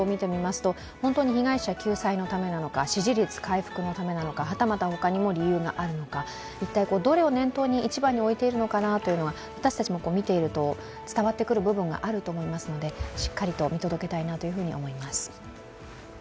本当に被害者救済のためなのか、支持率回復のためなのか、はたまたほかにも理由があるのか、一体どれを念頭に一番を置いているのかなというのは私たちも見ていると、伝わってくる部分があると思いますのでしっかりと見届けたいなというふうに思います。